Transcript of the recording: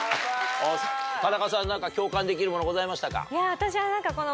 田中さん何か共感できるものございましたか？